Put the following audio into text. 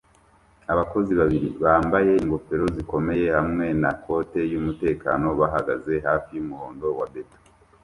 Abakozi babiri bambaye ingofero zikomeye hamwe na kote yumutekano bahagaze hafi yumuhondo wa beto